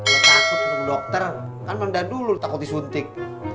lu takut ketemu dokter kan manda dulu takut disuntik